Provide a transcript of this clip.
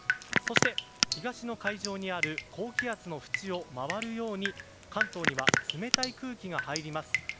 そして、東の海上にある高気圧の縁を回るように関東には冷たい空気が入ります。